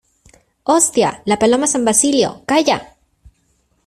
¡ hostia, la Paloma San Basilio! ¡ calla !